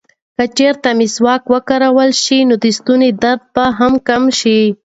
که چېرې مسواک وکارول شي، نو د ستوني درد به هم کم شي.